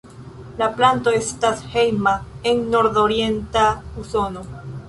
La planto estas hejma en nordorienta Usono.